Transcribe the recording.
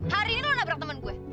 hari ini lo nabrak temen gue